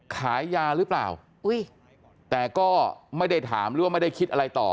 ขายยาหรือเปล่าแต่ก็ไม่ได้ถามหรือว่าไม่ได้คิดอะไรต่อ